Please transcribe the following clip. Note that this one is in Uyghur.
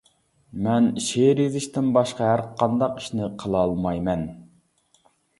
مەن شېئىر يېزىشتىن باشقا ھەر قانداق ئىشنى قىلالمايمەن.